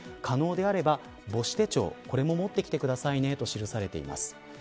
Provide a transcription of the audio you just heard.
可能であれば母子手帳も持ってきてくださいと記されています。